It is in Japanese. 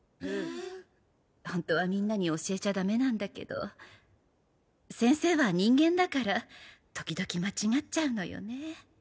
ホントはみんなに教えちゃダメなんだけど先生は人間だから時々間違っちゃうのよね。